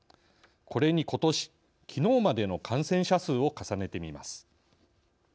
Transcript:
これにことしきのうまでの感染者数を重ねてみます。